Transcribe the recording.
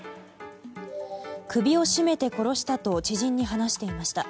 首を絞めて殺したと知人に話していました。